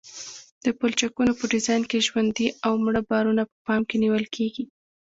د پلچکونو په ډیزاین کې ژوندي او مړه بارونه په پام کې نیول کیږي